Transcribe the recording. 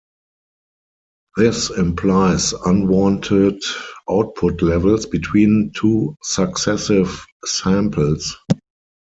This implies unwanted output levels between two successive samples.